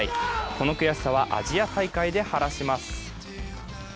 この悔しさはアジア大会で晴らします。